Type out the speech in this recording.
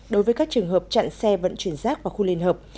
đối với các trường hợp chặn xe vận chuyển rác vào khu liên hợp